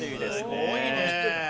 すごいね。